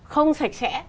không sạch sẽ